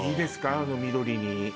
あの緑に。